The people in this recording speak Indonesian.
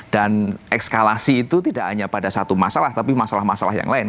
dan ekskalasi itu tidak hanya pada satu masalah tapi masalah masalah yang lain